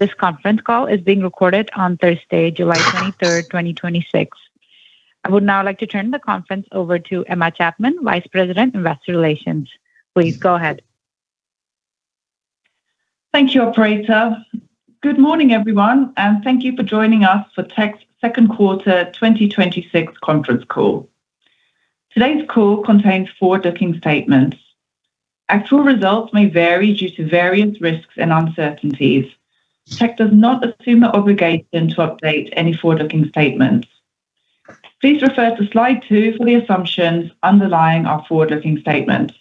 This conference call is being recorded on Thursday, July 23rd, 2026. I would now like to turn the conference over to Emma Chapman, Vice President, Investor Relations. Please go ahead. Thank you, operator. Good morning, everyone, and thank you for joining us for Teck's second quarter 2026 conference call. Today's call contains forward-looking statements. Actual results may vary due to various risks and uncertainties. Teck does not assume the obligation to update any forward-looking statements. Please refer to slide two for the assumptions underlying our forward-looking statements.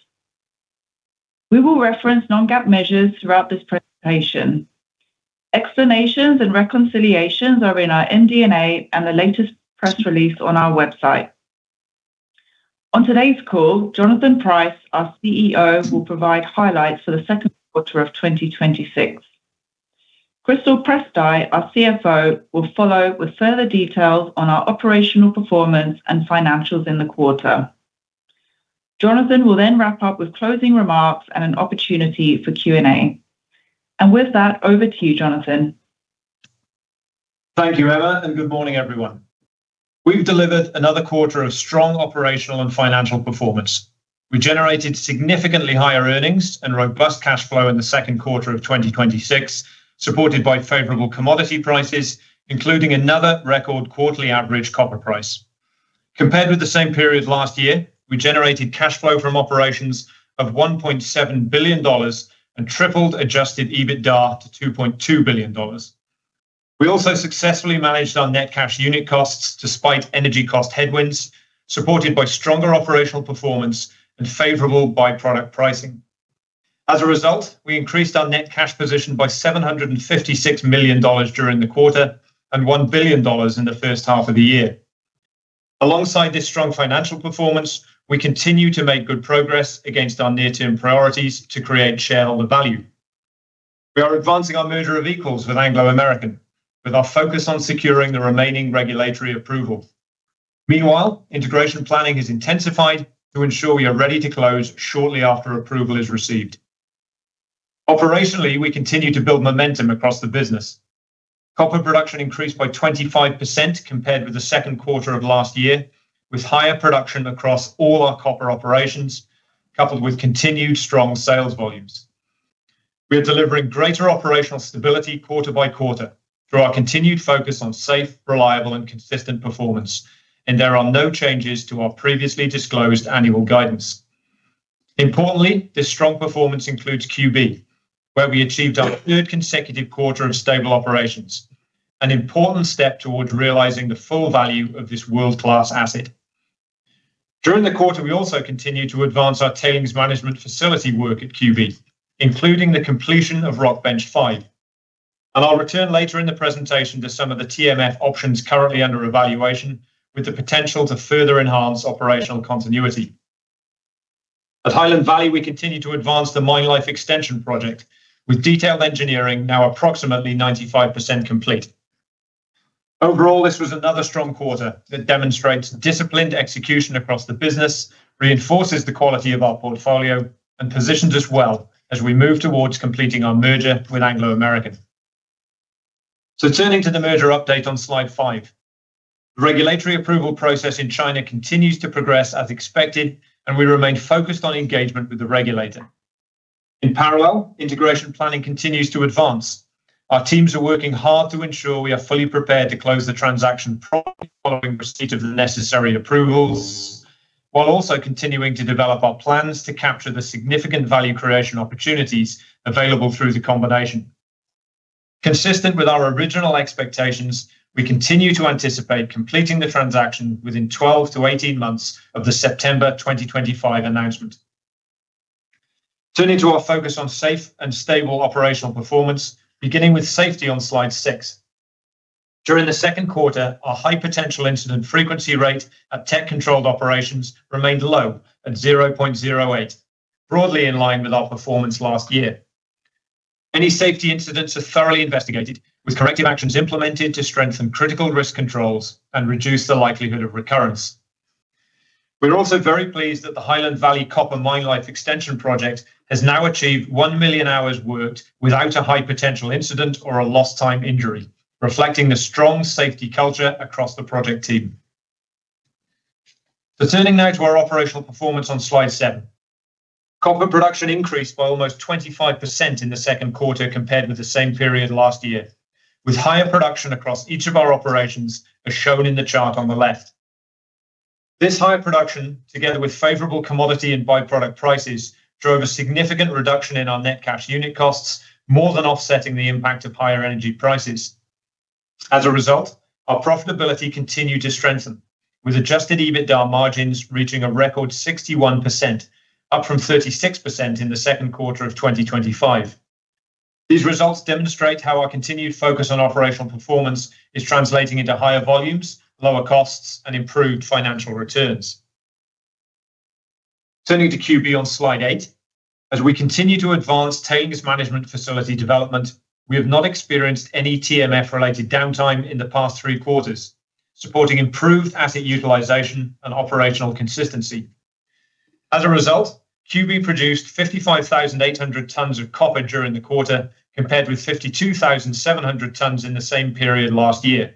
We will reference Non-GAAP measures throughout this presentation. Explanations and reconciliations are in our MD&A and the latest press release on our website. On today's call, Jonathan Price, our Chief Executive Officer, will provide highlights for the second quarter of 2026. Crystal Prystai, our Chief Financial Officer, will follow with further details on our operational performance and financials in the quarter. Jonathan will wrap up with closing remarks and an opportunity for Q&A. With that, over to you, Jonathan. Thank you, Emma. Good morning, everyone. We've delivered another quarter of strong operational and financial performance. We generated significantly higher earnings and robust cash flow in the second quarter of 2026, supported by favorable commodity prices, including another record quarterly average copper price. Compared with the same period last year, we generated cash flow from operations of 1.7 billion dollars and tripled adjusted EBITDA to 2.2 billion dollars. We also successfully managed our net cash unit costs despite energy cost headwinds, supported by stronger operational performance and favorable by-product pricing. As a result, we increased our net cash position by 756 million dollars during the quarter and 1 billion dollars in the first half of the year. Alongside this strong financial performance, we continue to make good progress against our near-term priorities to create shareholder value. We are advancing our merger of equals with Anglo American, with our focus on securing the remaining regulatory approval. Meanwhile, integration planning is intensified to ensure we are ready to close shortly after approval is received. Operationally, we continue to build momentum across the business. Copper production increased by 25% compared with the second quarter of last year, with higher production across all our copper operations, coupled with continued strong sales volumes. We are delivering greater operational stability quarter-by-quarter through our continued focus on safe, reliable and consistent performance. There are no changes to our previously disclosed annual guidance. Importantly, this strong performance includes QB, where we achieved our third consecutive quarter of stable operations, an important step towards realizing the full value of this world-class asset. During the quarter, we also continued to advance our Tailings Management Facility work at QB, including the completion of Rock Bench 5. I'll return later in the presentation to some of the TMF options currently under evaluation with the potential to further enhance operational continuity. At Highland Valley, we continue to advance the Mine Life Extension project, with detailed engineering now approximately 95% complete. Overall, this was another strong quarter that demonstrates disciplined execution across the business, reinforces the quality of our portfolio, and positions us well as we move towards completing our merger with Anglo American. Turning to the merger update on Slide five. The regulatory approval process in China continues to progress as expected, and we remain focused on engagement with the regulator. In parallel, integration planning continues to advance. Our teams are working hard to ensure we are fully prepared to close the transaction promptly following receipt of the necessary approvals, while also continuing to develop our plans to capture the significant value creation opportunities available through the combination. Consistent with our original expectations, we continue to anticipate completing the transaction within 12 months-18 months of the September 2025 announcement. Turning to our focus on safe and stable operational performance, beginning with safety on Slide six. During the second quarter, our high potential incident frequency rate at Teck-controlled operations remained low at 0.08, broadly in line with our performance last year. Any safety incidents are thoroughly investigated, with corrective actions implemented to strengthen critical risk controls and reduce the likelihood of recurrence. We are also very pleased that the Highland Valley Copper Mine Life Extension project has now achieved 1 million hours worked without a high potential incident or a lost time injury, reflecting the strong safety culture across the project team. Turning now to our operational performance on Slide seven. Copper production increased by almost 25% in the second quarter compared with the same period last year, with higher production across each of our operations, as shown in the chart on the left. This higher production, together with favorable commodity and by-product prices, drove a significant reduction in our net cash unit costs, more than offsetting the impact of higher energy prices. As a result, our profitability continued to strengthen, with adjusted EBITDA margins reaching a record 61%, up from 36% in the second quarter of 2025. These results demonstrate how our continued focus on operational performance is translating into higher volumes, lower costs and improved financial returns. Turning to QB on Slide eight. As we continue to advance Tailings Management Facility development, we have not experienced any TMF-related downtime in the past three quarters, supporting improved asset utilization and operational consistency. As a result, QB produced 55,800 tons of copper during the quarter, compared with 52,700 tons in the same period last year,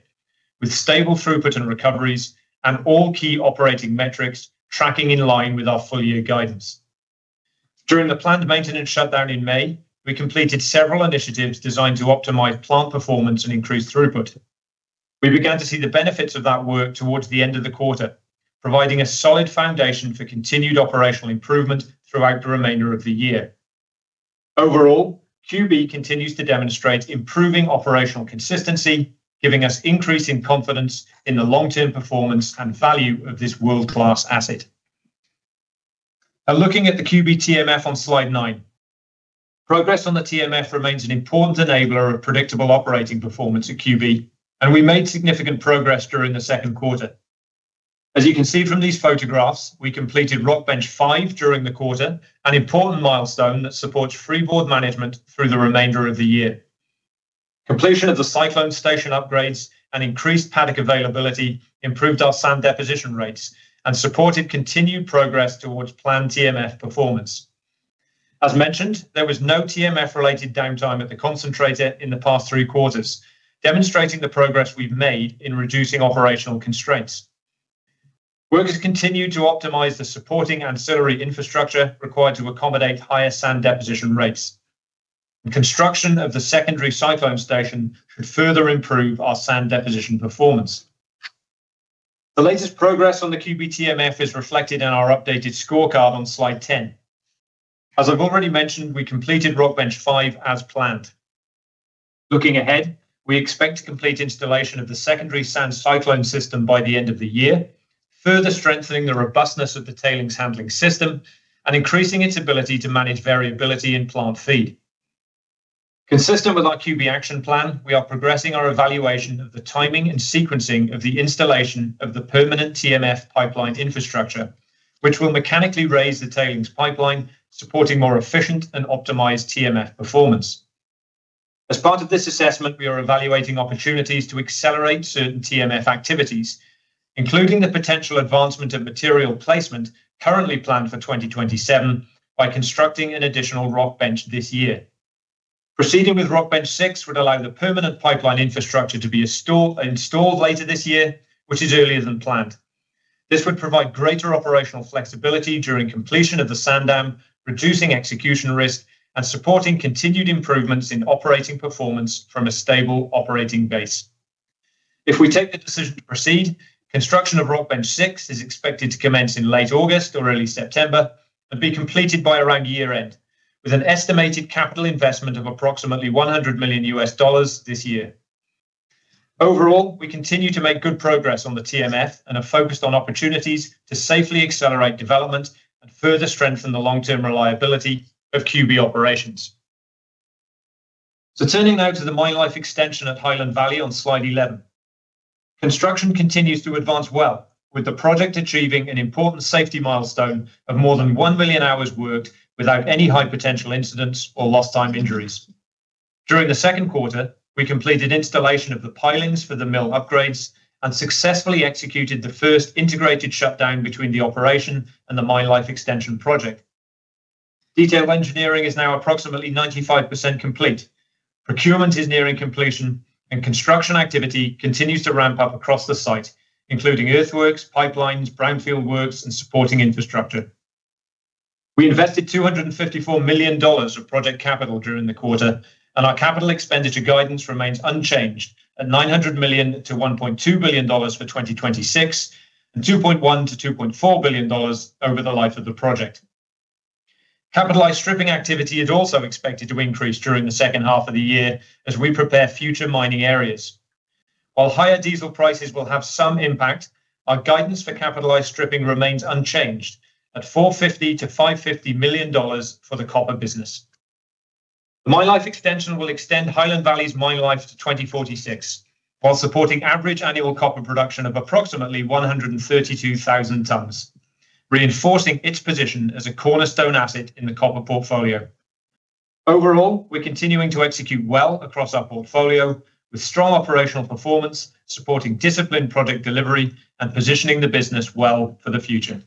with stable throughput and recoveries and all key operating metrics tracking in line with our full-year guidance. During the planned maintenance shutdown in May, we completed several initiatives designed to optimize plant performance and increase throughput. We began to see the benefits of that work towards the end of the quarter, providing a solid foundation for continued operational improvement throughout the remainder of the year. Overall, QB continues to demonstrate improving operational consistency, giving us increasing confidence in the long-term performance and value of this world-class asset. Looking at the QB TMF on slide nine. Progress on the TMF remains an important enabler of predictable operating performance at QB, and we made significant progress during the second quarter. As you can see from these photographs, we completed Rock Bench Five during the quarter, an important milestone that supports freeboard management through the remainder of the year. Completion of the cyclone station upgrades and increased paddock availability improved our sand deposition rates and supported continued progress towards planned TMF performance. As mentioned, there was no TMF-related downtime at the concentrator in the past three quarters, demonstrating the progress we've made in reducing operational constraints. Workers continue to optimize the supporting ancillary infrastructure required to accommodate higher sand deposition rates. The construction of the secondary cyclone station should further improve our sand deposition performance. The latest progress on the QB TMF is reflected in our updated scorecard on slide 10. As I've already mentioned, we completed Rock Bench 5 as planned. Looking ahead, we expect to complete installation of the secondary sand cyclone system by the end of the year, further strengthening the robustness of the tailings handling system and increasing its ability to manage variability in plant feed. Consistent with our QB action plan, we are progressing our evaluation of the timing and sequencing of the installation of the permanent TMF pipeline infrastructure, which will mechanically raise the tailings pipeline, supporting more efficient and optimized TMF performance. As part of this assessment, we are evaluating opportunities to accelerate certain TMF activities, including the potential advancement of material placement currently planned for 2027 by constructing an additional rock bench this year. Proceeding with Rock Bench Six would allow the permanent pipeline infrastructure to be installed later this year, which is earlier than planned. This would provide greater operational flexibility during completion of the sand dam, reducing execution risk and supporting continued improvements in operating performance from a stable operating base. If we take the decision to proceed, construction of Rock Bench 6 is expected to commence in late August or early September and be completed by around year-end, with an estimated capital investment of approximately $100 million US this year. Overall, we continue to make good progress on the TMF and are focused on opportunities to safely accelerate development and further strengthen the long-term reliability of QB operations. Turning now to the Mine Life Extension at Highland Valley on slide 11. Construction continues to advance well, with the project achieving an important safety milestone of more than one million hours worked without any high-potential incidents or lost-time injuries. During the second quarter, we completed installation of the pilings for the mill upgrades and successfully executed the first integrated shutdown between the operation and the Mine Life Extension project. Detailed engineering is now approximately 95% complete. Procurement is nearing completion, and construction activity continues to ramp up across the site, including earthworks, pipelines, brownfield works, and supporting infrastructure. We invested 254 million dollars of project capital during the quarter, and our capital expenditure guidance remains unchanged at 900 million to 1.2 billion dollars for 2026 and 2.1 billion to 2.4 billion dollars over the life of the project. Capitalized stripping activity is also expected to increase during the second half of the year as we prepare future mining areas. While higher diesel prices will have some impact, our guidance for capitalized stripping remains unchanged at 450 million-550 million dollars for the copper business. The Mine Life Extension will extend Highland Valley's mine life to 2046 while supporting average annual copper production of approximately 132,000 tons, reinforcing its position as a cornerstone asset in the copper portfolio. Overall, we are continuing to execute well across our portfolio with strong operational performance, supporting disciplined product delivery, and positioning the business well for the future.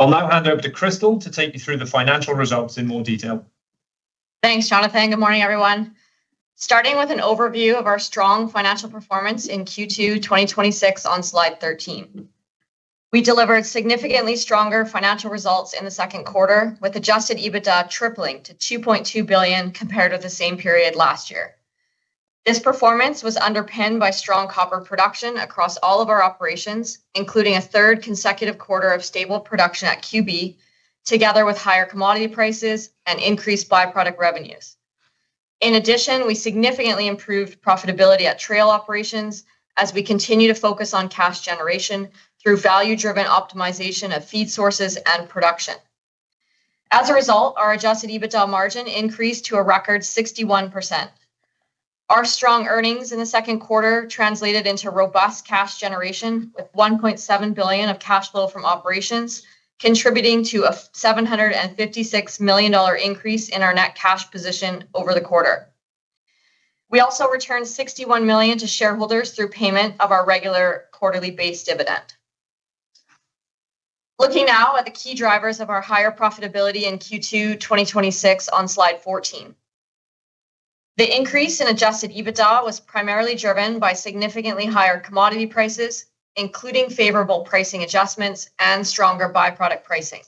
I will now hand over to Crystal to take you through the financial results in more detail. Thanks, Jonathan. Good morning, everyone. Starting with an overview of our strong financial performance in Q2 2026 on slide 13. We delivered significantly stronger financial results in the second quarter, with adjusted EBITDA tripling to 2.2 billion, compared with the same period last year. This performance was underpinned by strong copper production across all of our operations, including a third consecutive quarter of stable production at QB, together with higher commodity prices and increased by-product revenues. In addition, we significantly improved profitability at Trail Operations as we continue to focus on cash generation through value-driven optimization of feed sources and production. As a result, our adjusted EBITDA margin increased to a record 61%. Our strong earnings in the second quarter translated into robust cash generation, with 1.7 billion of cash flow from operations contributing to a 756 million dollar increase in our net cash position over the quarter. We also returned 61 million to shareholders through payment of our regular quarterly-based dividend. Looking now at the key drivers of our higher profitability in Q2 2026 on slide 14. The increase in adjusted EBITDA was primarily driven by significantly higher commodity prices, including favorable pricing adjustments and stronger by-product pricing.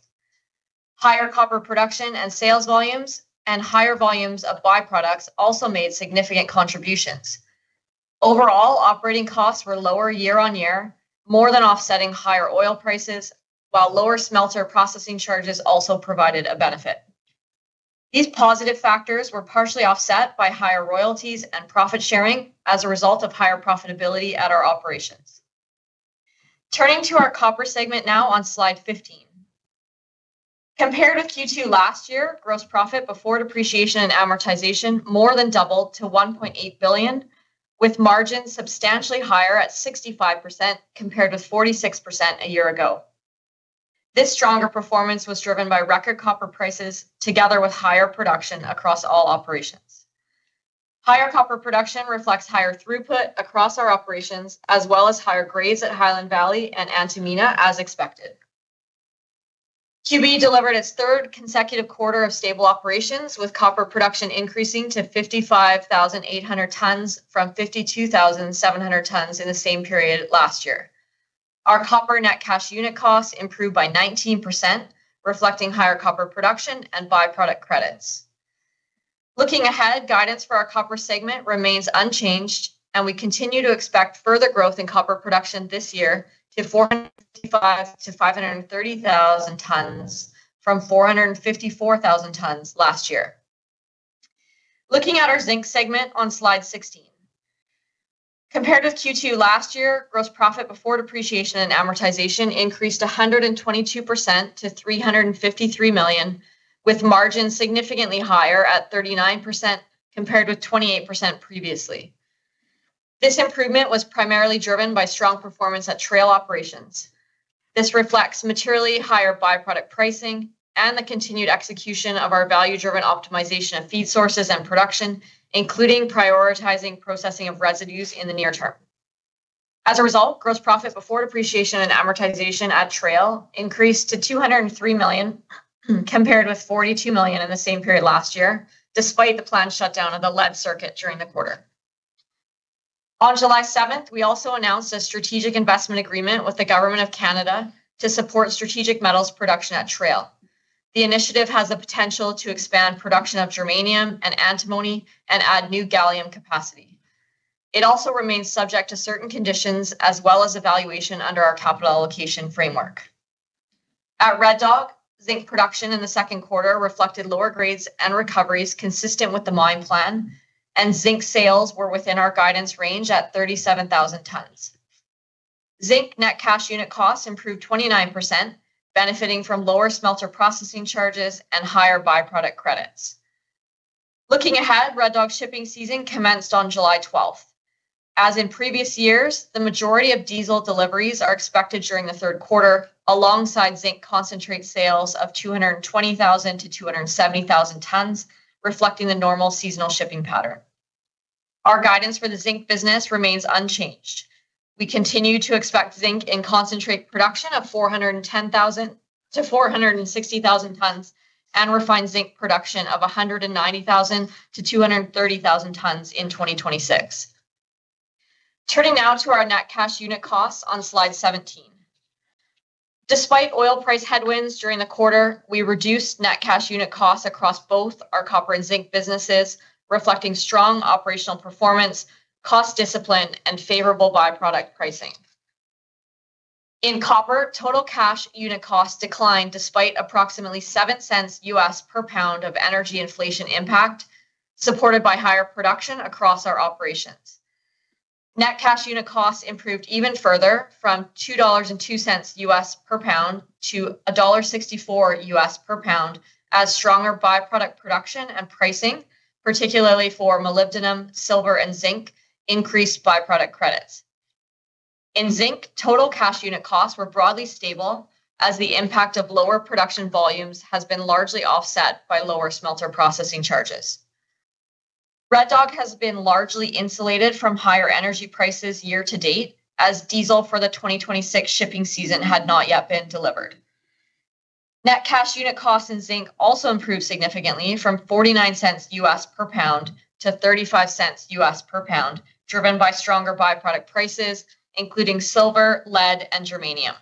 Higher copper production and sales volumes, and higher volumes of by-products also made significant contributions. Overall, operating costs were lower year-on-year, more than offsetting higher oil prices, while lower smelter processing charges also provided a benefit. These positive factors were partially offset by higher royalties and profit sharing as a result of higher profitability at our operations. Turning to our Copper segment now on slide 15. Compared with Q2 last year, gross profit before depreciation and amortization more than doubled to 1.8 billion, with margins substantially higher at 65% compared with 46% a year ago. This stronger performance was driven by record copper prices together with higher production across all operations. Higher copper production reflects higher throughput across our operations, as well as higher grades at Highland Valley and Antamina as expected. QB delivered its third consecutive quarter of stable operations, with copper production increasing to 55,800 tons from 52,700 tons in the same period last year. Our copper net cash unit costs improved by 19%, reflecting higher copper production and by-product credits. Looking ahead, guidance for our Copper segment remains unchanged, and we continue to expect further growth in copper production this year to 455,000 tons-530,000 tons, from 454,000 tons last year. Looking at our Zinc segment on slide 16. Compared with Q2 last year, gross profit before depreciation and amortization increased 122% to 353 million, with margins significantly higher at 39% compared with 28% previously. This improvement was primarily driven by strong performance at Trail Operations. This reflects materially higher by-product pricing and the continued execution of our value-driven optimization of feed sources and production, including prioritizing processing of residues in the near term. As a result, gross profit before depreciation and amortization at Trail increased to 203 million compared with 42 million in the same period last year, despite the planned shutdown of the lead circuit during the quarter. On July 7th, we also announced a strategic investment agreement with the Government of Canada to support strategic metals production at Trail. The initiative has the potential to expand production of germanium and antimony and add new gallium capacity. It also remains subject to certain conditions as well as evaluation under our capital allocation framework. At Red Dog, zinc production in the second quarter reflected lower grades and recoveries consistent with the mine plan, and zinc sales were within our guidance range at 37,000 tons. Zinc net cash unit costs improved 29%, benefiting from lower smelter processing charges and higher by-product credits. Looking ahead, Red Dog's shipping season commenced on July 12th. As in previous years, the majority of diesel deliveries are expected during the third quarter, alongside zinc concentrate sales of 220,000 tons-270,000 tons, reflecting the normal seasonal shipping pattern. Our guidance for the zinc business remains unchanged. We continue to expect zinc in concentrate production of 410,000 tons-460,000 tons, and refined zinc production of 190,000 tons-230,000 tons in 2026. Turning now to our net cash unit costs on slide 17. Despite oil price headwinds during the quarter, we reduced net cash unit costs across both our copper and zinc businesses, reflecting strong operational performance, cost discipline, and favorable by-product pricing. In copper, total cash unit cost declined despite approximately $0.70 per pound of energy inflation impact, supported by higher production across our operations. Net cash unit costs improved even further from $2.02 per pound-$1.64 per pound as stronger by-product production and pricing, particularly for molybdenum, silver, and zinc, increased by-product credits. In zinc, total cash unit costs were broadly stable as the impact of lower production volumes has been largely offset by lower smelter processing charges. Red Dog has been largely insulated from higher energy prices year to date, as diesel for the 2026 shipping season had not yet been delivered. Net cash unit costs in zinc also improved significantly from $0.49 per pound-$0.35 per pound, driven by stronger by-product prices, including silver, lead, and germanium.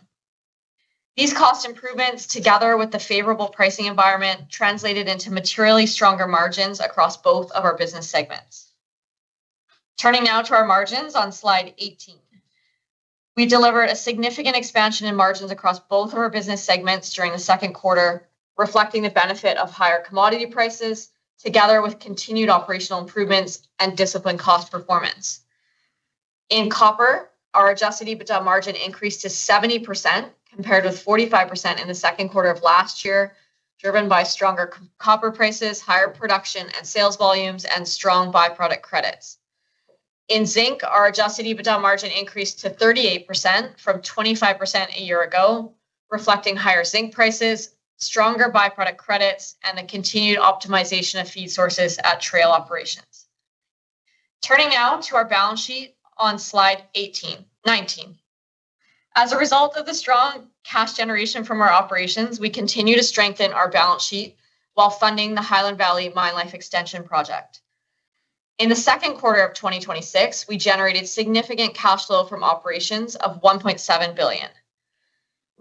These cost improvements, together with the favorable pricing environment, translated into materially stronger margins across both of our business segments. Turning now to our margins on slide 18. We delivered a significant expansion in margins across both of our business segments during the second quarter, reflecting the benefit of higher commodity prices together with continued operational improvements and disciplined cost performance. In copper, our adjusted EBITDA margin increased to 70% compared with 45% in the second quarter of last year, driven by stronger copper prices, higher production and sales volumes, and strong by-product credits. In zinc, our adjusted EBITDA margin increased to 38% from 25% a year ago, reflecting higher zinc prices, stronger byproduct credits, and the continued optimization of feed sources at Trail Operations. Turning now to our balance sheet on slide 19. As a result of the strong cash generation from our operations, we continue to strengthen our balance sheet while funding the Highland Valley Mine Life Extension Project. In the second quarter of 2026, we generated significant cash flow from operations of 1.7 billion.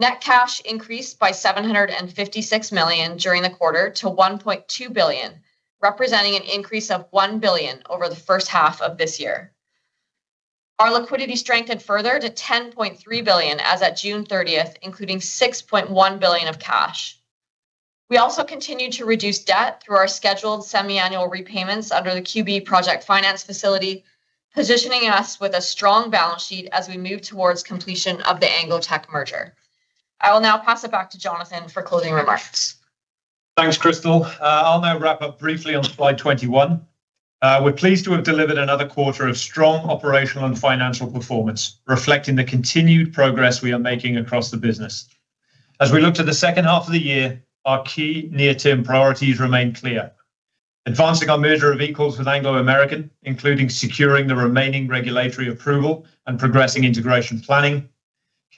Net cash increased by 756 million during the quarter to 1.2 billion, representing an increase of 1 billion over the first half of this year. Our liquidity strengthened further to 10.3 billion as at June 30th, including 6.1 billion of cash. We also continued to reduce debt through our scheduled semi-annual repayments under the QB project finance facility, positioning us with a strong balance sheet as we move towards completion of the Anglo Teck merger. I will now pass it back to Jonathan for closing remarks. Thanks, Crystal. I'll now wrap up briefly on slide 21. We're pleased to have delivered another quarter of strong operational and financial performance, reflecting the continued progress we are making across the business. Advancing our merger of equals with Anglo American, including securing the remaining regulatory approval and progressing integration planning.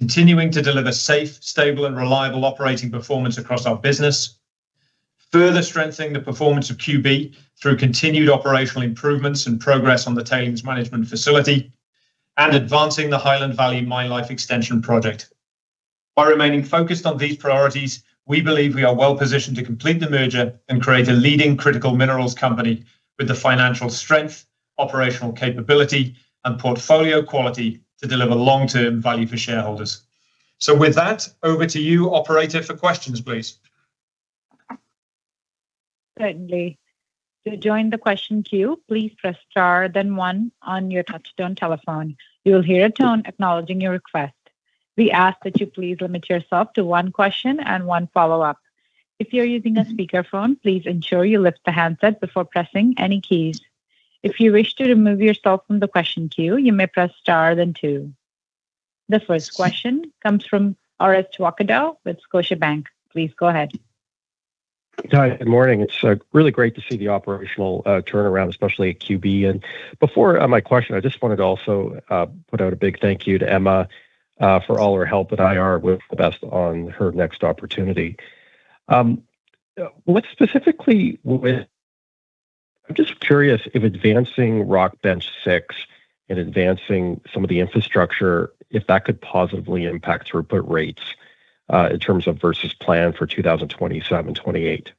Continuing to deliver safe, stable and reliable operating performance across our business. Further strengthening the performance of QB through continued operational improvements and progress on the Tailings Management Facility, and advancing the Highland Valley Mine Life Extension project. By remaining focused on these priorities, we believe we are well-positioned to complete the merger and create a leading critical minerals company with the financial strength, operational capability, and portfolio quality to deliver long-term value for shareholders. With that, over to you, operator, for questions, please. Certainly. To join the question queue, please press star then one on your touchtone telephone. You will hear a tone acknowledging your request. We ask that you please limit yourself to one question and one follow-up. If you're using a speakerphone, please ensure you lift the handset before pressing any keys. If you wish to remove yourself from the question queue, you may press star then two. The first question comes from Orest Wowkodaw with Scotiabank. Please go ahead. Hi, good morning. It's really great to see the operational turnaround, especially at QB. Before my question, I just wanted to also put out a big thank you to Emma for all her help at IR. Wish the best on her next opportunity. I'm just curious if advancing Rock Bench 6 and advancing some of the infrastructure, if that could positively impact throughput rates, in terms of versus plan for 2027, 2028.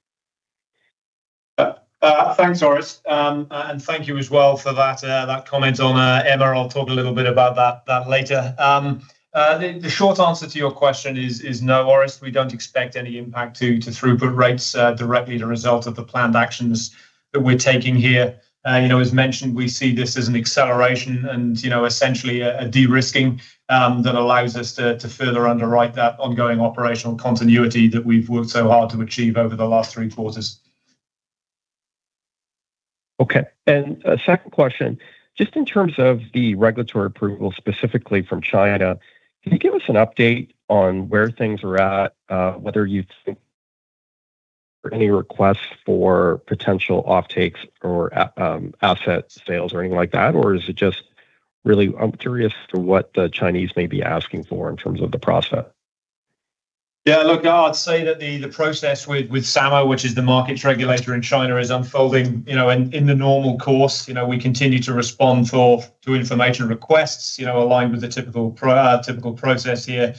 Thanks, Orest. Thank you as well for that comment on Emma. I'll talk a little bit about that later. The short answer to your question is no, Orest. We don't expect any impact to throughput rates directly the result of the planned actions that we're taking here. As mentioned, we see this as an acceleration and essentially a de-risking that allows us to further underwrite that ongoing operational continuity that we've worked so hard to achieve over the last three quarters. Okay. A second question, just in terms of the regulatory approval, specifically from China, can you give us an update on where things are at? Whether you've any requests for potential offtakes or offset sales or anything like that? I'm curious to what the Chinese may be asking for in terms of the process. Yeah, look, I'd say that the process with SAMR, which is the markets regulator in China, is unfolding in the normal course. We continue to respond to information requests aligned with the typical process here.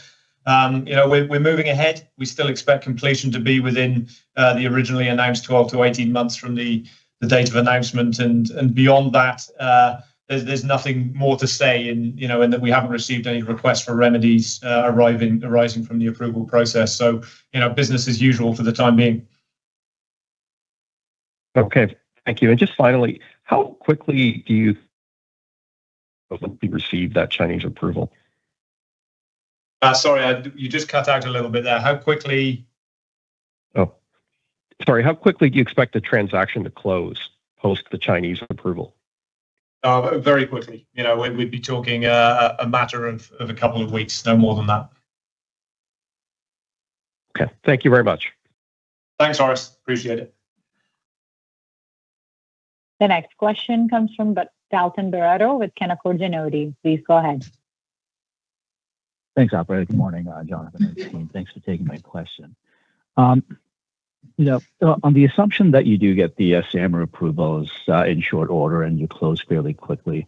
We're moving ahead. We still expect completion to be within the originally announced 12 months-18 months from the date of announcement. Beyond that, there's nothing more to say in that we haven't received any requests for remedies arising from the approval process. Business as usual for the time being. Okay. Thank you. Just finally, how quickly do you received that Chinese approval? Sorry, you just cut out a little bit there. How quickly? Sorry. How quickly do you expect the transaction to close post the Chinese approval? Very quickly. We'd be talking a matter of a couple of weeks, no more than that. Okay. Thank you very much. Thanks, Orest. Appreciate it. The next question comes from Dalton Baretto with Canaccord Genuity. Please go ahead. Thanks, operator. Good morning, Jonathan and team. Thanks for taking my question. On the assumption that you do get the SAMR approvals in short order and you close fairly quickly,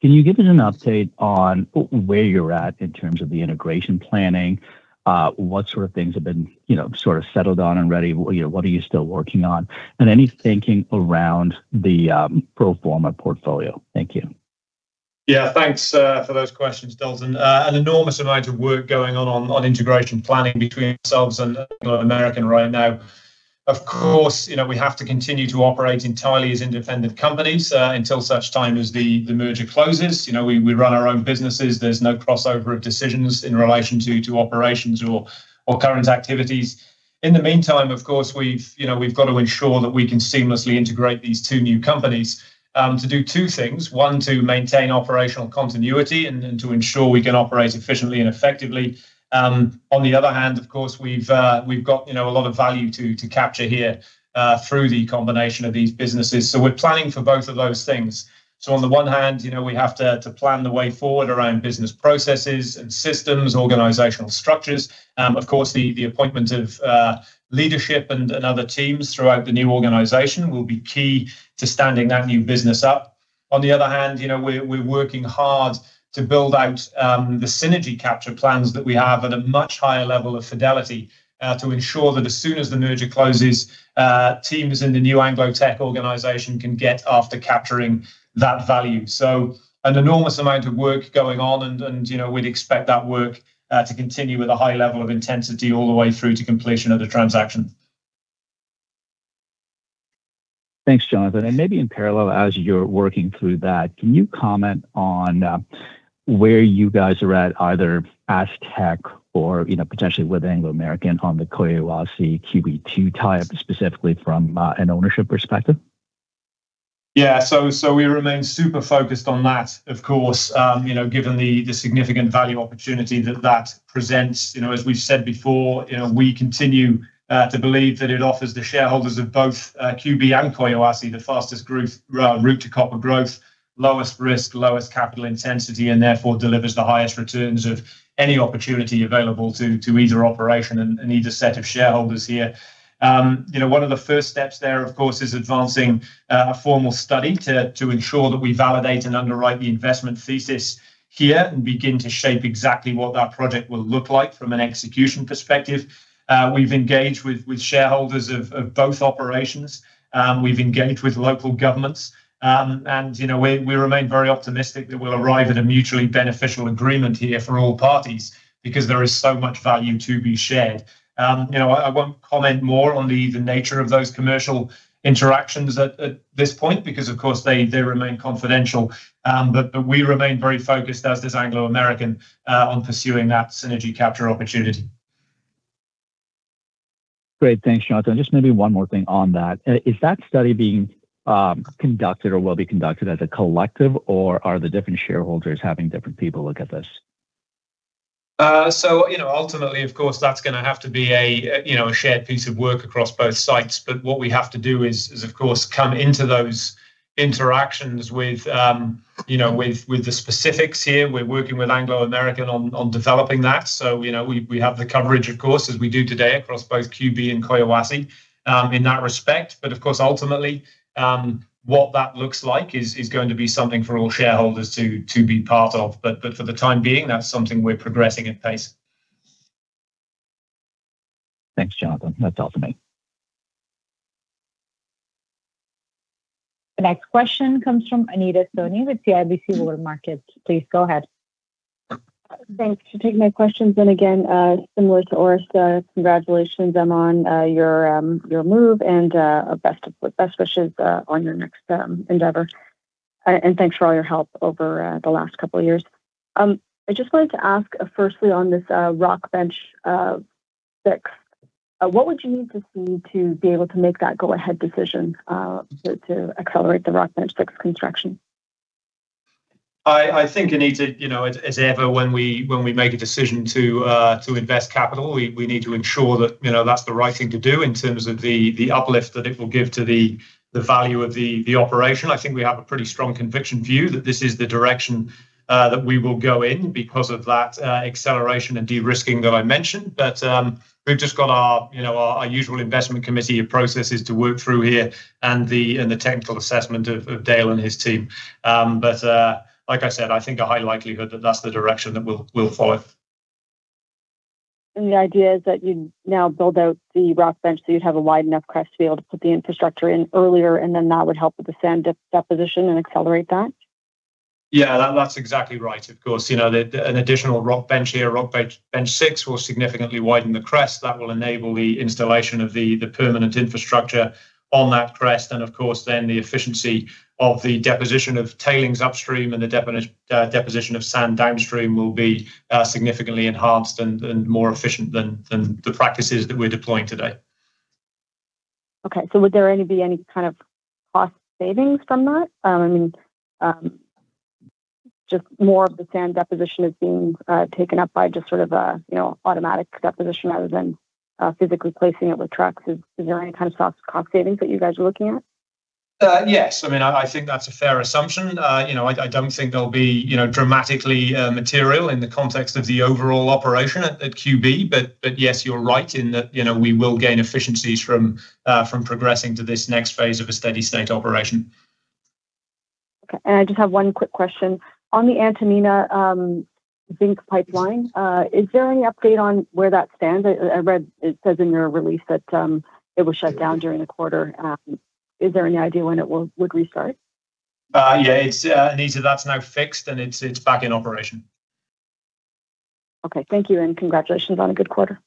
can you give us an update on where you're at in terms of the integration planning? What sort of things have been sort of settled on and ready? What are you still working on, and any thinking around the pro forma portfolio? Thank you. Yeah. Thanks for those questions, Dalton. An enormous amount of work going on integration planning between ourselves and Anglo American right now. Of course, we have to continue to operate entirely as independent companies until such time as the merger closes. We run our own businesses. There's no crossover of decisions in relation to operations or current activities. In the meantime, of course, we've got to ensure that we can seamlessly integrate these two new companies to do two things. One, to maintain operational continuity and to ensure we can operate efficiently and effectively. On the other hand, of course, we've got a lot of value to capture here through the combination of these businesses. We're planning for both of those things. On the one hand, we have to plan the way forward around business processes and systems, organizational structures. Of course, the appointment of leadership and other teams throughout the new organization will be key to standing that new business up. On the other hand, we're working hard to build out the synergy capture plans that we have at a much higher level of fidelity to ensure that as soon as the merger closes, teams in the new Anglo Teck organization can get after capturing that value. An enormous amount of work going on, and we'd expect that work to continue with a high level of intensity all the way through to completion of the transaction. Thanks, Jonathan, and maybe in parallel as you're working through that, can you comment on where you guys are at, either as Teck or potentially with Anglo American on the Collahuasi QB2 tie-up, specifically from an ownership perspective? We remain super focused on that, of course, given the significant value opportunity that that presents. As we've said before, we continue to believe that it offers the shareholders of both QB and Collahuasi the fastest route to copper growth, lowest risk, lowest capital intensity, and therefore delivers the highest returns of any opportunity available to either operation and either set of shareholders here. One of the first steps there, of course, is advancing a formal study to ensure that we validate and underwrite the investment thesis here and begin to shape exactly what that project will look like from an execution perspective. We've engaged with shareholders of both operations. We've engaged with local governments. We remain very optimistic that we'll arrive at a mutually beneficial agreement here for all parties, because there is so much value to be shared. I won't comment more on the nature of those commercial interactions at this point, because of course they remain confidential. We remain very focused as does Anglo American, on pursuing that synergy capture opportunity. Great. Thanks, Jonathan. Just maybe one more thing on that. Is that study being conducted or will be conducted as a collective, or are the different shareholders having different people look at this? Ultimately, of course, that's going to have to be a shared piece of work across both sites. What we have to do is, of course, come into those interactions with the specifics here. We're working with Anglo American on developing that. We have the coverage, of course, as we do today, across both QB and Collahuasi in that respect. Of course, ultimately, what that looks like is going to be something for all shareholders to be part of. For the time being, that's something we're progressing at pace. Thanks, Jonathan. That's all for me. The next question comes from Anita Soni with CIBC Markets. Please go ahead. Thanks for taking my questions. Again, similar to Orest, congratulations on your move and best wishes on your next endeavor. Thanks for all your help over the last couple of years. I just wanted to ask firstly on this Rock Bench 6, what would you need to see to be able to make that go-ahead decision to accelerate the Rock Bench 6 construction? I think Anita, as ever, when we make a decision to invest capital, we need to ensure that that's the right thing to do in terms of the uplift that it will give to the value of the operation. I think we have a pretty strong conviction view that this is the direction that we will go in because of that acceleration and de-risking that I mentioned. We've just got our usual investment committee processes to work through here and the technical assessment of Dale and his team. Like I said, I think a high likelihood that's the direction that we'll follow. The idea is that you'd now build out the rock bench, so you'd have a wide enough crest to be able to put the infrastructure in earlier, and then that would help with the sand deposition and accelerate that? Yeah, that's exactly right. Of course, an additional rock bench here, Rock Bench 6, will significantly widen the crest. That will enable the installation of the permanent infrastructure on that crest, and of course then the efficiency of the deposition of tailings upstream and the deposition of sand downstream will be significantly enhanced and more efficient than the practices that we're deploying today. Okay. Would there be any kind of cost savings from that? I mean, just more of the sand deposition is being taken up by just sort of automatic deposition rather than physically placing it with trucks. Is there any kind of cost savings that you guys are looking at? Yes, I think that's a fair assumption. I don't think there'll be dramatically material in the context of the overall operation at QB, but yes, you're right in that we will gain efficiencies from progressing to this next phase of a steady state operation. Okay. I just have one quick question. On the Antamina zinc pipeline, is there any update on where that stands? I read it says in your release that it was shut down during the quarter. Is there any idea when it would restart? Yeah, Anita, that's now fixed and it's back in operation. Okay. Thank you. Congratulations on a good quarter.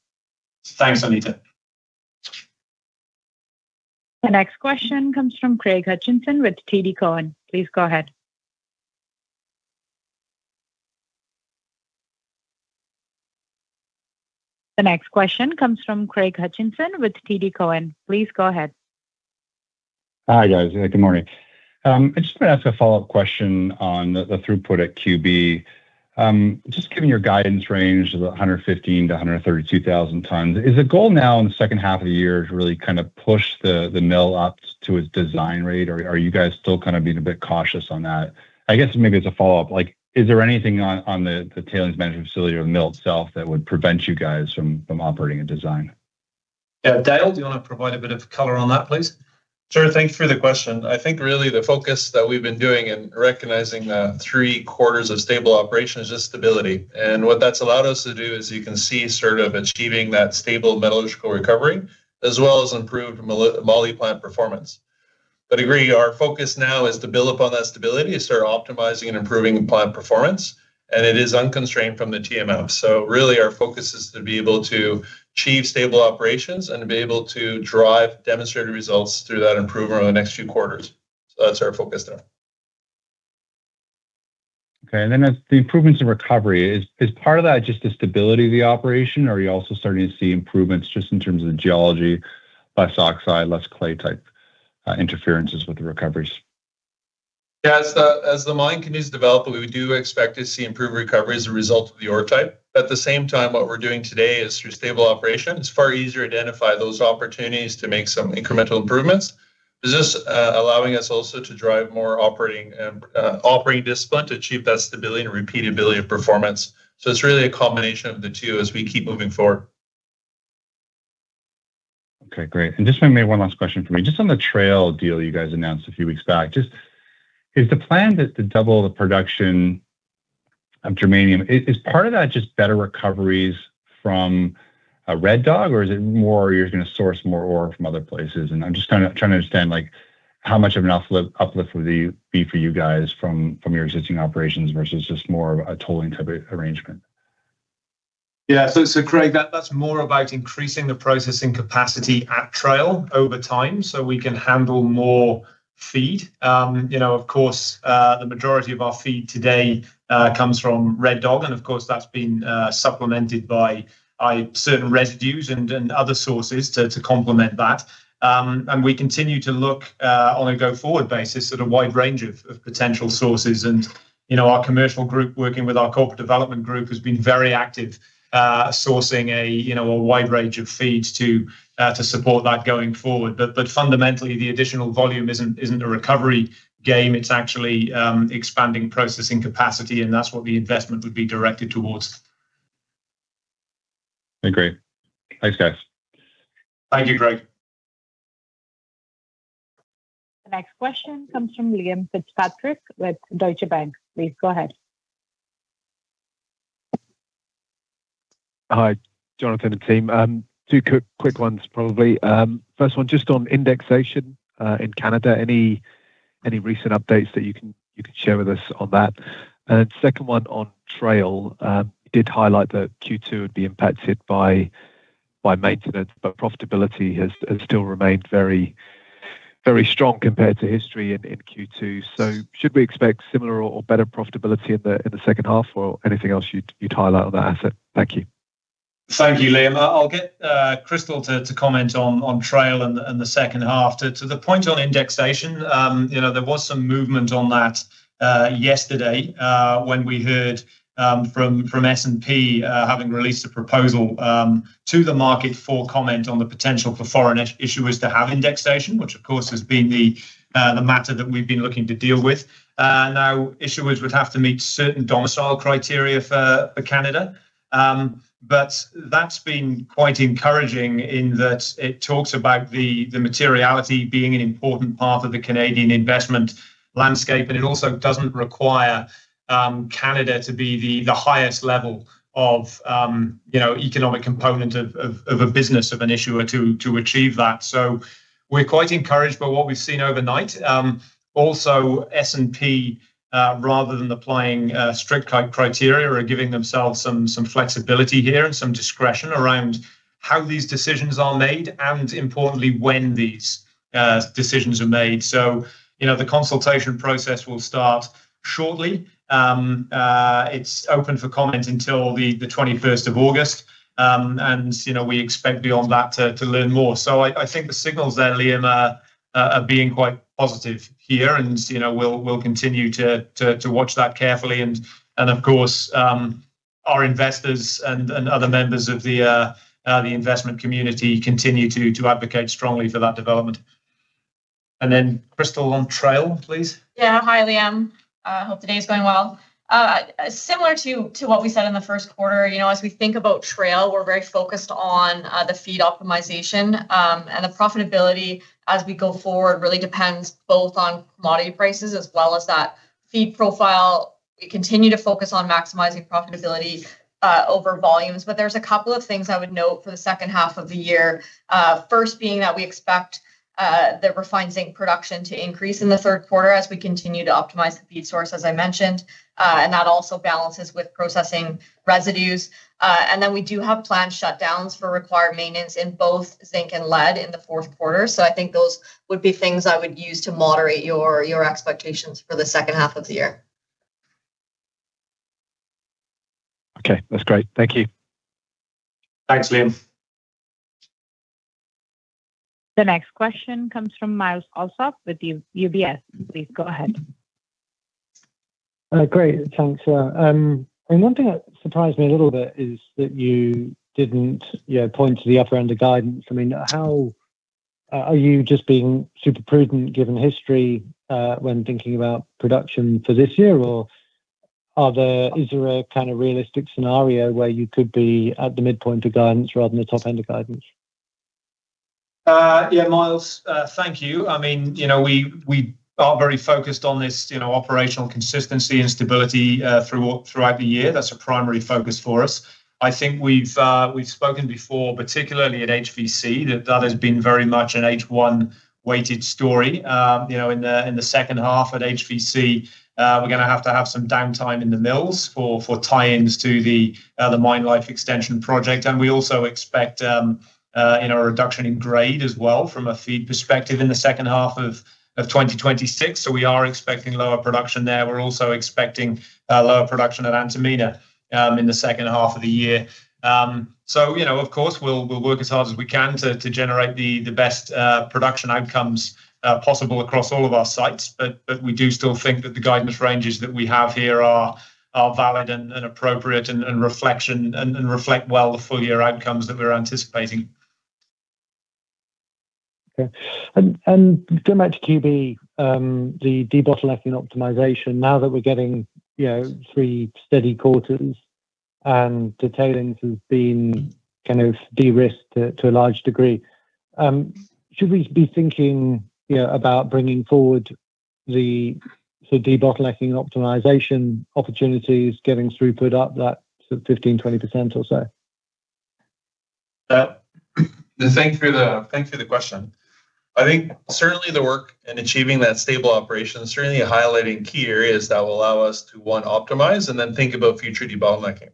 Thanks, Anita. The next question comes from Craig Hutchison with TD Cowen. Please go ahead. Hi, guys. Good morning. I just want to ask a follow-up question on the throughput at QB. Given your guidance range of 115,000 tons-132,000 tons, is the goal now in the second half of the year to really push the mill up to its design rate? Or are you guys still being a bit cautious on that? I guess maybe it's a follow-up. Is there anything on the tailings management facility or the mill itself that would prevent you guys from operating at design? Dale, do you want to provide a bit of color on that, please? Sure. Thanks for the question. I think really the focus that we've been doing in recognizing the three quarters of stable operations is stability. What that's allowed us to do is you can see sort of achieving that stable metallurgical recovery, as well as improved moly plant performance. Agree, our focus now is to build upon that stability and start optimizing and improving plant performance, and it is unconstrained from the TMF. Really our focus is to be able to achieve stable operations and be able to drive demonstrated results through that improvement over the next few quarters. That's our focus there. Okay. Is part of that just the stability of the operation, or are you also starting to see improvements just in terms of the geology, less oxide, less clay-type interferences with the recoveries? Yeah. As the mine continues to develop, we do expect to see improved recovery as a result of the ore type. At the same time, what we're doing today is through stable operation. It's far easier to identify those opportunities to make some incremental improvements. This is allowing us also to drive more operating discipline to achieve that stability and repeatability of performance. It's really a combination of the two as we keep moving forward. Okay, great. Just maybe one last question from me. Just on the Trail deal you guys announced a few weeks back, is the plan to double the production of germanium? Is part of that just better recoveries from Red Dog, or is it more you're going to source more ore from other places? I'm just trying to understand how much of an uplift would be for you guys from your existing operations versus just more of a tolling-type arrangement. Yeah, Craig, that's more about increasing the processing capacity at Trail over time so we can handle more feed. Of course, the majority of our feed today comes from Red Dog, and of course, that's been supplemented by certain residues and other sources to complement that. We continue to look on a go-forward basis at a wide range of potential sources, and our commercial group working with our corporate development group has been very active sourcing a wide range of feeds to support that going forward. Fundamentally, the additional volume isn't a recovery game. It's actually expanding processing capacity, and that's what the investment would be directed towards. Okay, great. Thanks, guys. Thank you, Craig. The next question comes from Liam Fitzpatrick with Deutsche Bank. Please go ahead. Hi, Jonathan and team. Two quick ones, probably. First one, just on indexation in Canada. Any recent updates that you can share with us on that? Second one on Trail. You did highlight that Q2 would be impacted by maintenance, but profitability has still remained very strong compared to history in Q2. Should we expect similar or better profitability in the second half, or anything else you'd highlight on that asset? Thank you. Thank you, Liam. I'll get Crystal to comment on Trail and the second half. To the point on indexation, there was some movement on that yesterday when we heard from S&P having released a proposal to the market for comment on the potential for foreign issuers to have indexation, which of course has been the matter that we've been looking to deal with. Issuers would have to meet certain domicile criteria for Canada, but that's been quite encouraging in that it talks about the materiality being an important part of the Canadian investment landscape, it also doesn't require Canada to be the highest level of economic component of a business of an issuer to achieve that. We're quite encouraged by what we've seen overnight. S&P, rather than applying strict criteria, are giving themselves some flexibility here and some discretion around how these decisions are made and importantly, when these decisions are made. The consultation process will start shortly. It's open for comment until the August 21st. We expect beyond that to learn more. I think the signals there, Liam, are being quite positive here, and we'll continue to watch that carefully. Of course, our investors and other members of the investment community continue to advocate strongly for that development. Crystal, on Trail, please. Hi, Liam. I hope today is going well. Similar to what we said in the first quarter, as we think about Trail, we're very focused on the feed optimization, and the profitability as we go forward really depends both on commodity prices as well as that feed profile. We continue to focus on maximizing profitability over volumes, but there's a couple of things I would note for the second half of the year. First being that we expect the refined zinc production to increase in the third quarter as we continue to optimize the feed source, as I mentioned, and that also balances with processing residues. We do have planned shutdowns for required maintenance in both zinc and lead in the fourth quarter. I think those would be things I would use to moderate your expectations for the second half of the year. That's great. Thank you. Thanks, Liam. The next question comes from Myles Allsop with UBS. Please go ahead. Great. Thanks. One thing that surprised me a little bit is that you didn't point to the upper end of guidance. Are you just being super prudent given history, when thinking about production for this year? Or is there a kind of realistic scenario where you could be at the midpoint of guidance rather than the top end of guidance? Yeah, Myles. Thank you. We are very focused on this operational consistency and stability throughout the year. That's a primary focus for us. I think we've spoken before, particularly at HVC, that has been very much an H1 weighted story. In the second half at HVC, we're going to have to have some downtime in the mills for tie-ins to the Mine Life Extension project. We also expect a reduction in grade as well from a feed perspective in the second half of 2026. We are expecting lower production there. We're also expecting lower production at Antamina in the second half of the year. Of course, we'll work as hard as we can to generate the best production outcomes possible across all of our sites. We do still think that the guidance ranges that we have here are valid and appropriate, and reflect well the full-year outcomes that we're anticipating. Okay. Going back to QB, the debottlenecking optimization. Now that we're getting three steady quarters and the tailings has been kind of de-risked to a large degree, should we be thinking about bringing forward the debottlenecking optimization opportunities, getting throughput up that sort of 15%-20% or so? Thanks for the question. I think certainly the work in achieving that stable operation, certainly highlighting key areas that will allow us to, one, optimize and then think about future debottlenecking.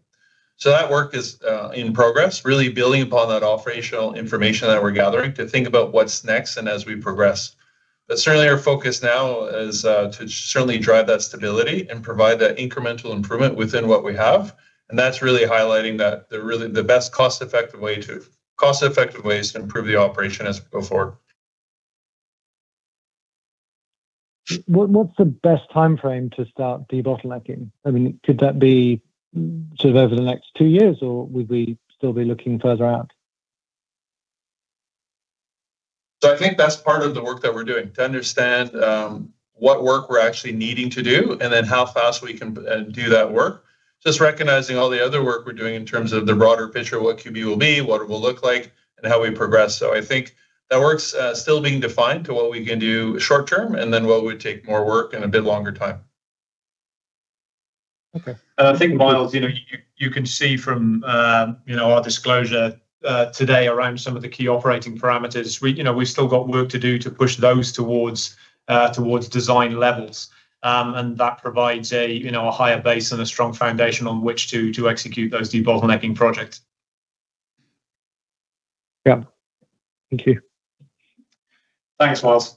That work is in progress, really building upon that operational information that we're gathering to think about what's next and as we progress. Certainly our focus now is to certainly drive that stability and provide that incremental improvement within what we have, and that's really highlighting the best cost-effective ways to improve the operation as we go forward. What's the best timeframe to start debottlenecking? Could that be sort of over the next two years, or would we still be looking further out? I think that's part of the work that we're doing to understand what work we're actually needing to do, and then how fast we can do that work. Just recognizing all the other work we're doing in terms of the broader picture of what QB will be, what it will look like, and how we progress. I think that work's still being defined to what we can do short-term, and then what would take more work and a bit longer time. Okay. I think, Myles, you can see from our disclosure today around some of the key operating parameters. We've still got work to do to push those towards design levels. That provides a higher base and a strong foundation on which to execute those debottlenecking projects. Yeah. Thank you. Thanks, Myles.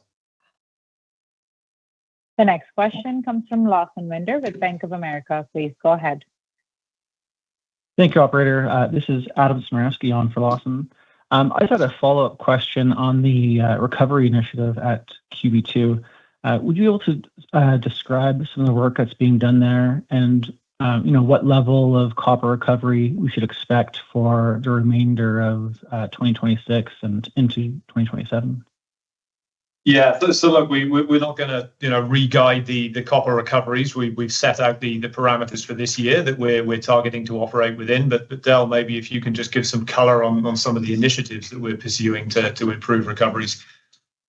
The next question comes from Lawson Winder with Bank of America. Please go ahead. Thank you. Operator. This is Adam Smarski on for Lawson. I just had a follow-up question on the recovery initiative at QB2. Would you be able to describe some of the work that's being done there and what level of copper recovery we should expect for the remainder of 2026 and into 2027? Yeah. Look, we're not going to re-guide the copper recoveries. We've set out the parameters for this year that we're targeting to operate within. Dale, maybe if you can just give some color on some of the initiatives that we're pursuing to improve recoveries.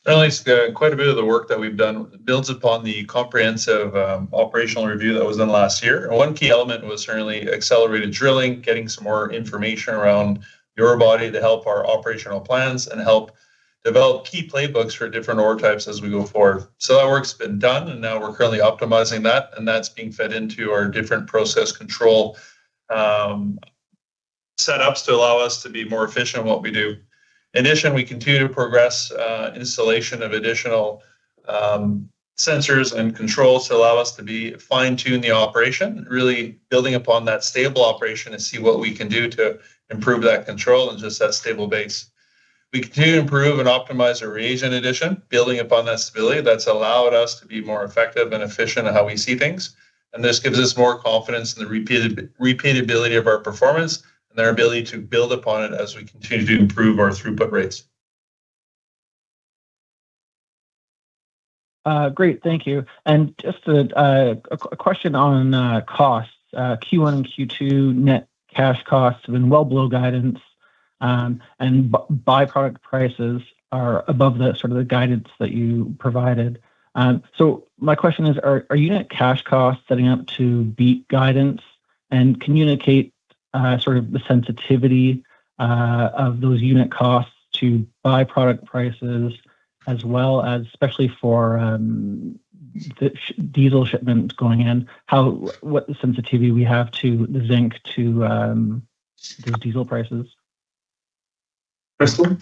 At least quite a bit of the work that we've done builds upon the comprehensive operational review that was done last year. One key element was certainly accelerated drilling, getting some more information around your body to help our operational plans and help develop key playbooks for different ore types as we go forward. That work's been done, and now we're currently optimizing that, and that's being fed into our different process control setups to allow us to be more efficient in what we do. In addition, we continue to progress installation of additional sensors and controls to allow us to fine-tune the operation, really building upon that stable operation and see what we can do to improve that control and just that stable base. We continue to improve and optimize our reagent addition, building upon that stability that's allowed us to be more effective and efficient in how we see things. This gives us more confidence in the repeatability of our performance and our ability to build upon it as we continue to improve our throughput rates. Great. Thank you. Just a question on costs. Q1 and Q2 net cash costs have been well below guidance, by-product prices are above the sort of the guidance that you provided. My question is, are unit cash costs setting up to beat guidance and communicate sort of the sensitivity of those unit costs to by-product prices, as well as, especially for the diesel shipments going in, what sensitivity we have to the zinc to those diesel prices? Crystal?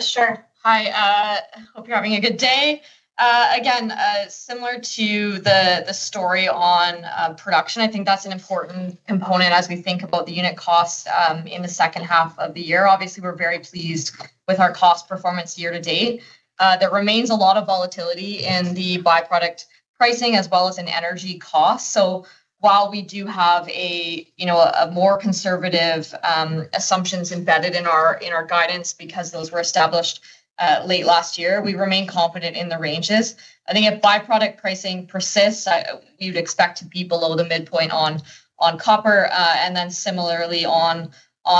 Sure. Hi, hope you're having a good day. Again, similar to the story on production, I think that's an important component as we think about the unit costs in the second half of the year. Obviously, we're very pleased with our cost performance year to date. There remains a lot of volatility in the byproduct pricing as well as in energy costs. While we do have more conservative assumptions embedded in our guidance because those were established late last year, we remain confident in the ranges. I think if byproduct pricing persists, you'd expect to be below the midpoint on copper, similarly on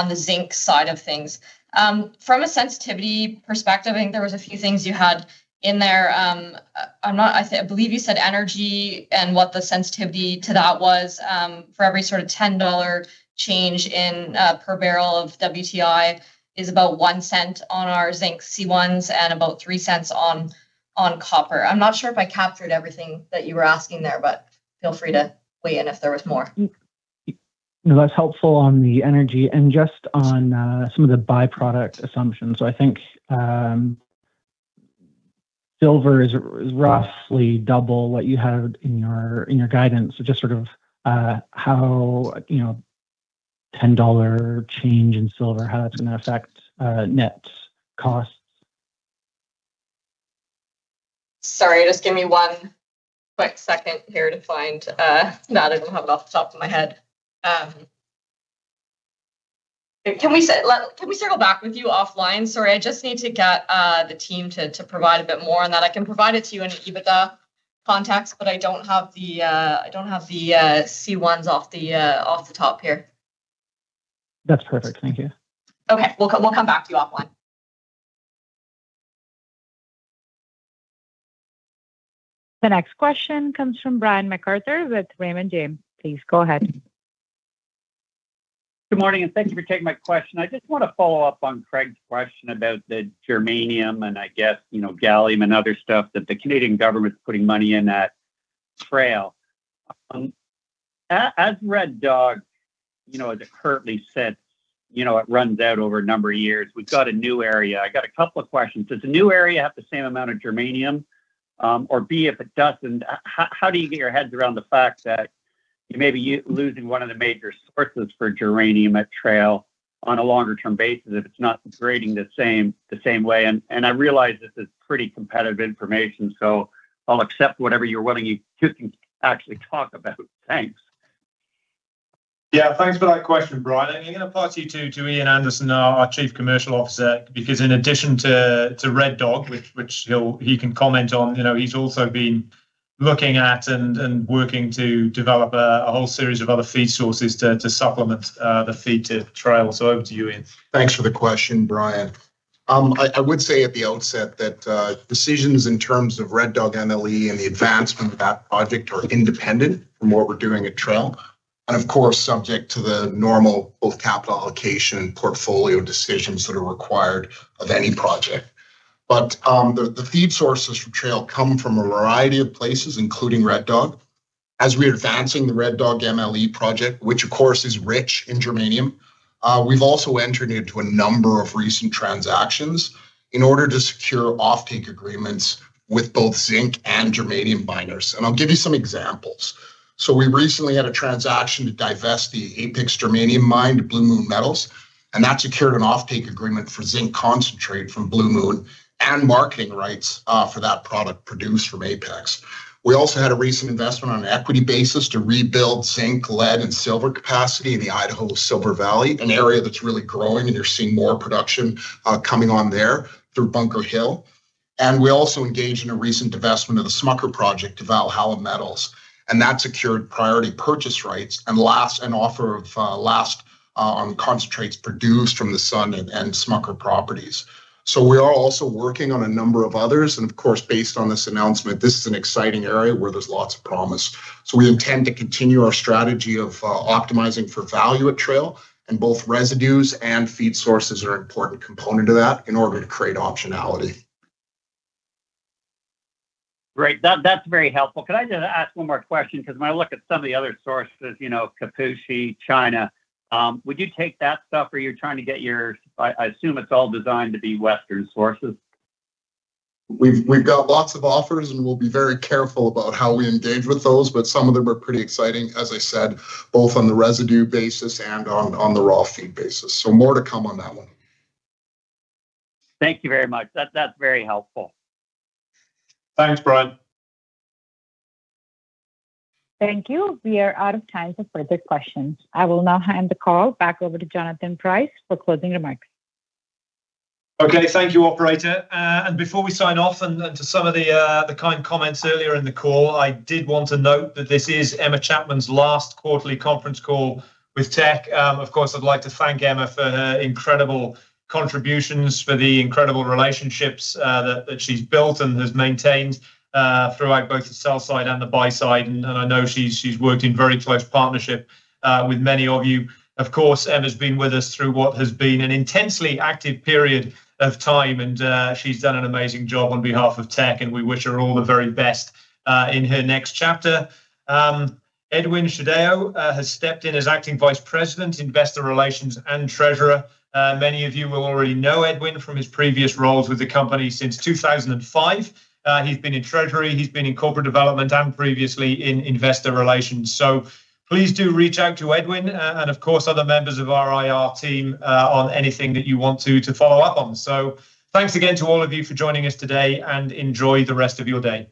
the zinc side of things. From a sensitivity perspective, I think there was a few things you had in there. I believe you said energy and what the sensitivity to that was for every sort of $10 change in per barrel of WTI is about $0.01 on our zinc C1 and about $0.03 on copper. I am not sure if I captured everything that you were asking there, feel free to weigh in if there was more. No, that's helpful on the energy. Just on some of the byproduct assumptions. I think silver is roughly double what you had in your guidance. Just sort of how a 10 dollar change in silver, how that's going to affect net costs. Sorry, just give me one quick second here to find that. I don't have it off the top of my head. Can we circle back with you offline? Sorry, I just need to get the team to provide a bit more on that. I can provide it to you in EBITDA context, but I don't have the C1 off the top here. That's perfect. Thank you. Okay. We'll come back to you offline. The next question comes from Brian MacArthur with Raymond James. Please go ahead. Good morning. Thank you for taking my question. I just want to follow up on Craig's question about the germanium and I guess, gallium and other stuff that the Canadian government's putting money in at Trail. As Red Dog currently sits, it runs out over a number of years. We've got a new area. I got a couple of questions. Does the new area have the same amount of germanium? B, if it doesn't, how do you get your heads around the fact that you may be losing one of the major sources for germanium at Trail on a longer-term basis if it's not grading the same way? I realize this is pretty competitive information, so I'll accept whatever you're willing to actually talk about. Thanks. Yeah, thanks for that question, Brian. I'm going to pass you to Ian Anderson, our Chief Commercial Officer, because in addition to Red Dog, which he can comment on, he's also been looking at and working to develop a whole series of other feed sources to supplement the feed to Trail. Over to you, Ian. Thanks for the question, Brian. I would say at the outset that decisions in terms of Red Dog MLE and the advancement of that project are independent from what we're doing at Trail, of course, subject to the normal both capital allocation and portfolio decisions that are required of any project. The feed sources from Trail come from a variety of places, including Red Dog. As we're advancing the Red Dog MLE project, which of course is rich in germanium, we've also entered into a number of recent transactions in order to secure offtake agreements with both zinc and germanium miners. I'll give you some examples. We recently had a transaction to divest the Apex germanium mine to Blue Moon Metals, and that secured an offtake agreement for zinc concentrate from Blue Moon and marketing rights for that product produced from Apex. We also had a recent investment on an equity basis to rebuild zinc, lead, and silver capacity in the Idaho Silver Valley, an area that's really growing, and you're seeing more production coming on there through Bunker Hill. We also engaged in a recent divestment of the Smucker Project to Valhalla Metals, and that secured priority purchase rights and an offer of last on concentrates produced from the Sun and Smucker properties. We are also working on a number of others, and of course, based on this announcement, this is an exciting area where there's lots of promise. We intend to continue our strategy of optimizing for value at Trail, and both residues and feed sources are an important component of that in order to create optionality. Great. That's very helpful. Could I just ask one more question? Because when I look at some of the other sources, Kipushi, China, would you take that stuff, or you're trying to get, I assume it's all designed to be Western sources. We've got lots of offers, and we'll be very careful about how we engage with those, but some of them are pretty exciting, as I said, both on the residue basis and on the raw feed basis. More to come on that one. Thank you very much. That's very helpful. Thanks, Brian. Thank you. We are out of time for further questions. I will now hand the call back over to Jonathan Price for closing remarks. Okay. Thank you, operator. Before we sign off, and to some of the kind comments earlier in the call, I did want to note that this is Emma Chapman's last quarterly conference call with Teck. Of course, I'd like to thank Emma for her incredible contributions, for the incredible relationships that she's built and has maintained throughout both the sell side and the buy side. I know she's worked in very close partnership with many of you. Of course, Emma's been with us through what has been an intensely active period of time, and she's done an amazing job on behalf of Teck, and we wish her all the very best in her next chapter. Edwin Shadeo has stepped in as acting Vice President, Investor Relations, and Treasurer. Many of you will already know Edwin from his previous roles with the company since 2005. He's been in treasury, he's been in corporate development, and previously in investor relations. Please do reach out to Edwin, and of course, other members of our IR team, on anything that you want to follow up on. Thanks again to all of you for joining us today, and enjoy the rest of your day.